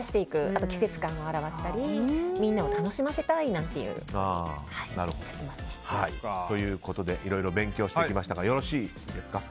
あと季節感を表したりみんなを楽しませたいからということでいろいろ勉強してきましたがよろしいですか？